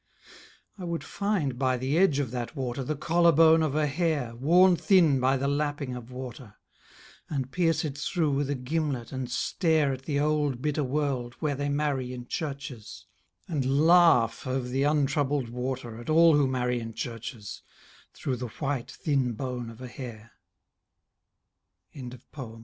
I would find by the edge of that water The collar bone of a hare Worn thin by the lapping of water, And pierce it through with a gimlet and stare At the old bitter world where they marry in churches, And laugh over the untroubled water At all who marry in churches, Through the white thin bone of a hare. UNDER THE ROUN